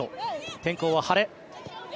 天候は晴れ。